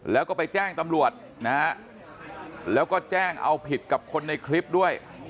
แล้วก็ไปแจ้งตำรวจนะฮะแล้วก็แจ้งเอาผิดกับคนในคลิปด้วย